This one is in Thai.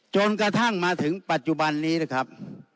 จนกระทั่งมาถึงปัจจุบันนี้นะครับ